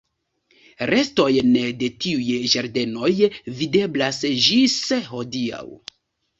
Restojn de tiuj ĝardenoj videblas ĝis hodiaŭ.